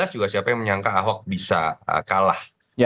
dua ribu tujuh belas juga siapa yang menyangka ahok bisa kalah